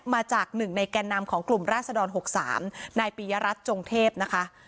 มาจากหนึ่งในแก่นำของกลุ่มราษฎร๖๓ในปริยรัตน์จงเทพฯนะคะ